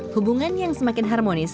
hubungan yang semakin harmonis